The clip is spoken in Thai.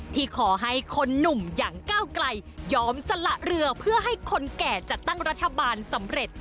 ที่ขอให้คนหนุ่มอย่างก้าวไกลยอมสละเรือเพื่อให้คนแก่จัดตั้งรัฐบาลสำเร็จ